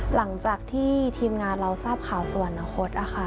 หลังจากที่ทีมงานเราทราบข่าวสวรรคตนะคะ